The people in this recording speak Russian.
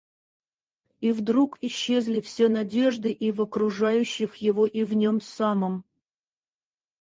И вдруг исчезли все надежды и в окружающих его и в нем самом.